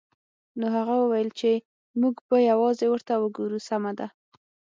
نو هغه وویل چې موږ به یوازې ورته وګورو سمه ده